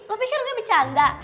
lo pisahin gue bercanda